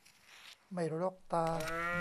ไม่รกตา